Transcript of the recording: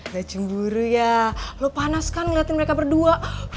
gak cemburu ya lo panas kan ngeliatin mereka berdua